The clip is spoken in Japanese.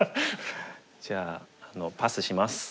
じゃあパスします。